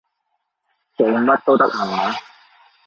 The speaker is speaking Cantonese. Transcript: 做乜都得下話？